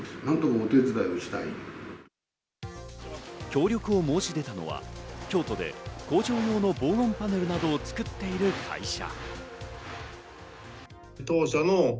協力を申し出たのは、京都で工場用の防音パネルなどを作っている会社。